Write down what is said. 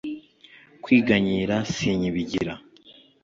kwiganyira sinkibigira